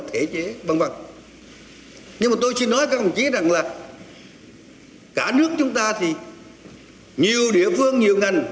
kể chế văn văn nhưng mà tôi xin nói các ông chỉ rằng là cả nước chúng ta thì nhiều địa phương nhiều ngành